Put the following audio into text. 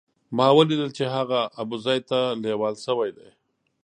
ما ولیدل چې هغه ابوزید ته لېوال شوی دی.